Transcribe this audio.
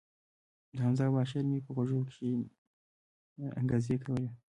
د حمزه بابا شعر مې په غوږو کښې انګازې کولې.